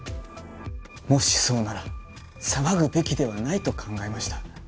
もしそうなら騒ぐべきではないと考えました。